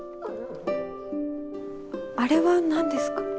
あれは何ですか？